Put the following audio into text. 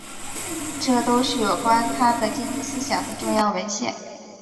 这都是有关他的经济思想的重要文献。